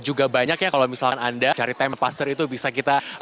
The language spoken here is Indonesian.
juga banyak ya kalau misalkan anda cari time paster itu bisa kita